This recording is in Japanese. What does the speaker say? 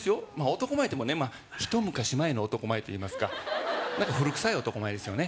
男前っていってもね一昔前の男前といいますかなんか古くさい男前ですよね